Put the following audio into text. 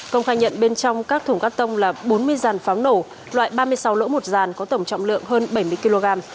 công khai nhận bên trong các thùng cắt tông là bốn mươi dàn pháo nổ loại ba mươi sáu lỗ một giàn có tổng trọng lượng hơn bảy mươi kg